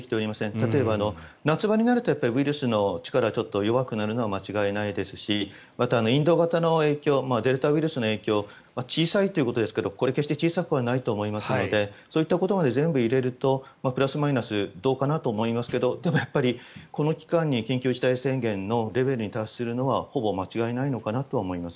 例えば、夏場になるとウイルスの力はちょっと弱くなるのは間違いないですしまた、インド型の影響デルタウイルスの影響も小さいということですがこれ、決して小さくはないと思いますのでそういったことまで全部入れるとプラスマイナスどうかなと思いますがでもやっぱりこの期間に緊急事態宣言のレベルに達することはほぼ間違いないのかなとは思います。